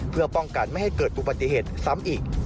เพื่อป้องกันไม่ให้เกิดอุบัติเหตุซ้ำอีก